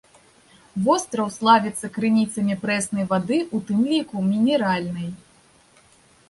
Востраў славіцца крыніцамі прэснай вады, у тым ліку мінеральнай.